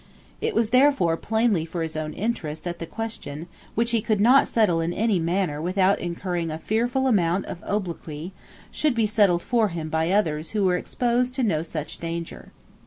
It was therefore plainly for his own interest that the question, which he could not settle in any manner without incurring a fearful amount of obloquy, should be settled for him by others who were exposed to no such danger.